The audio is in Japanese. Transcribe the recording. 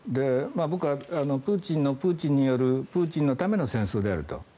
僕はプーチンのプーチンによるプーチンのための戦争だと。